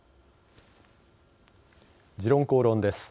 「時論公論」です。